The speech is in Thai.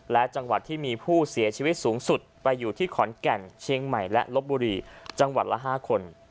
และจังหวัดที่มีผู้เสียชีวิตสูงสุดไปอยู่ที่ขอนแก่นเชียงใหม่และลบบุรีจังหวัดละ๕คน